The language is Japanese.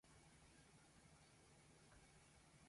たたかうマヌカハニー